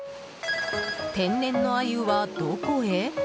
天然のアユはどこへ？